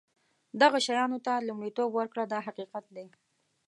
دغه شیانو ته لومړیتوب ورکړه دا حقیقت دی.